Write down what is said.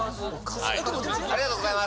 ありがとうございます。